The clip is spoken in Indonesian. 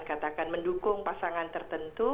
katakan mendukung pasangan tertentu